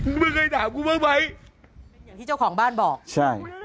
กูไม่เคยถามกูมากไปที่เจ้าของบ้านบอกใช่